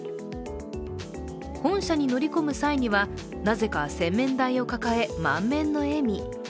本社に乗り込む際には、なぜか洗面台を抱え、満面の笑み。